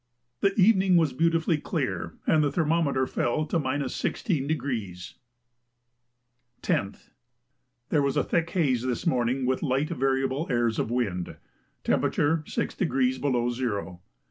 The evening was beautifully clear, and the thermometer fell to 16°. 10th. There was a thick haze this morning with light variable airs of wind; temperature 6° below zero.